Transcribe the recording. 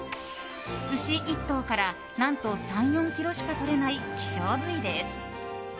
牛１頭から何と３４ｋｇしかとれない希少部位です。